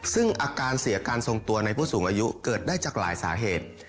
ซึ่งอาการเสียการทรงตัวในผู้สูงอายุเกิดได้จากหลายสาเหตุ